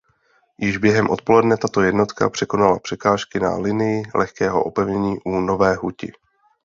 Již během odpoledne tato jednotka překonala překážky na linii lehkého opevnění u Nové Huti.